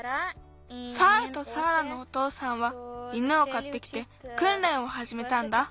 サーラとサーラのおとうさんは犬をかってきてくんれんをはじめたんだ。